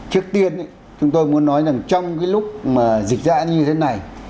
trước tiên thì chúng tôi muốn nói rằng trong cái lúc mà dịch dạ như thế này